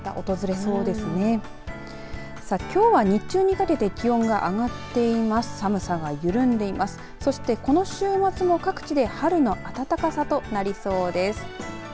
そしてこの週末も各地で春の暖かさとなりそうです。